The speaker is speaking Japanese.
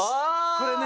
・これね